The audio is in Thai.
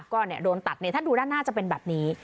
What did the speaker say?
ก็เนี่ยโดนตัดถ้าดูด้านหน้าจะเป็นแบบนี้